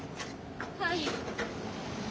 はい。